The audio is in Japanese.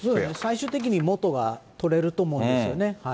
最終的にもとは取れると思うんですよね。